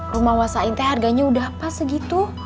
rumah wasain teh harganya udah pas segitu